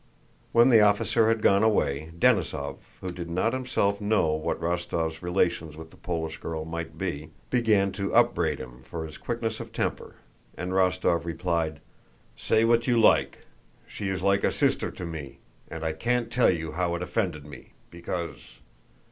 When the officer had gone away, Denísov, who did not himself know what Rostóv's relations with the Polish girl might be, began to upbraid him for his quickness of temper, and Rostóv replied: "Say what you like.... She is like a sister to me, and I can't tell you how it offended me... because...